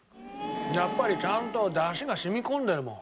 やっぱりちゃんと出汁が染み込んでるもん。